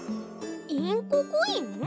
インココイン？